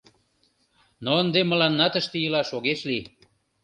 Но ынде мыланна тыште илаш огеш лий.